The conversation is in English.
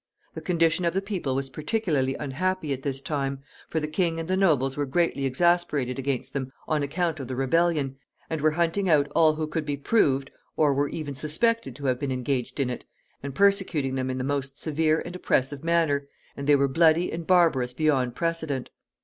The condition of the people was particularly unhappy at this time, for the king and the nobles were greatly exasperated against them on account of the rebellion, and were hunting out all who could be proved, or were even suspected to have been engaged in it, and persecuting them in the most severe and oppressive manner, and they were bloody and barbarous beyond precedent.